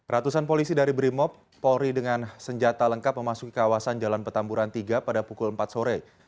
ratusan polisi dari brimob polri dengan senjata lengkap memasuki kawasan jalan petamburan tiga pada pukul empat sore